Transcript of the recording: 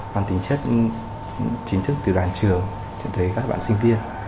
toàn tính chất chính thức từ đoàn trường cho tới các bạn sinh viên